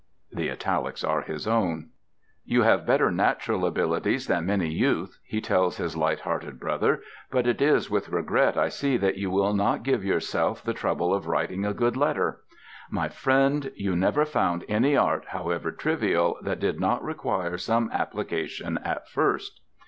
(The italics are his own.) "You have better natural abilities than many youth," he tells his light hearted brother, "but it is with regret I see that you will not give yourself the trouble of writing a good letter. My friend, you never found any art, however trivial, that did not require some application at first."